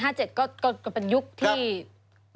ปี๕๗ก็เป็นยุคที่ครับ